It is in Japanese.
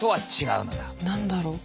何だろう。